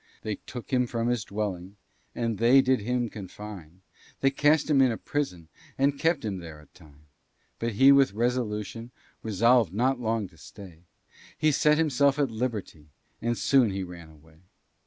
They took him from his dwelling, And they did him confine, They cast him into prison, And kept him there a time. But he with resolution Resolv'd not long to stay; He set himself at liberty, And soon he ran away.